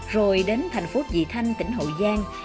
rồi đến thành phố dị thanh tỉnh hậu giang